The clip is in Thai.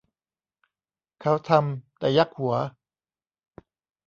เขาทำ แต่ยักหัว